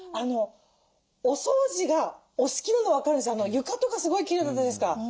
お掃除がお好きなの分かるし床とかすごいきれいだったじゃないですか。